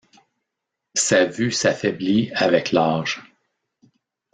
Sa vue s’affaiblit avec l’âge.